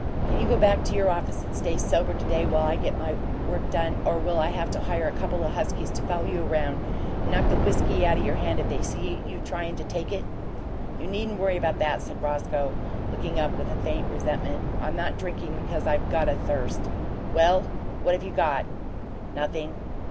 "Can you go back to your office and stay sober to day, while I get my work done, or will I have to hire a couple o' huskies to follow you around and knock the whiskey out o' your hand if they see you tryin' to take it?" "You needn't worry about that," said Roscoe, looking up with a faint resentment. "I'm not drinking because I've got a thirst." "Well, what have you got?" "Nothing.